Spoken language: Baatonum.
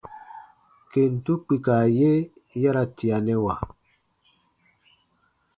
Kentu kpika ye ya ra tianɛwa.